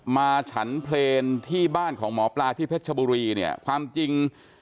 มาฉันเทรนที่บ้านของหมอปลาที่เพชรบุรีความจริง